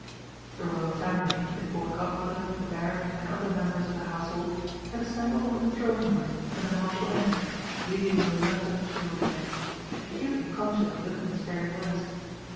The Royal Family, with the Court Godmother, the Baron, and other members of the Household, had assembled in the Throne Room when the Marshal entered, leading the reluctant Giroflé, acutely conscious of looking his very worst.